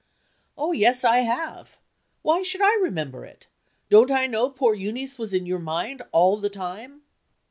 "Oh, yes, I have. Why should I remember it? Don't I know poor Euneece was in your mind, all the time?"